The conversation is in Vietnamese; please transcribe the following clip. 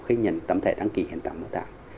khi nhận tấm thẻ đăng ký hiện tạng mô tả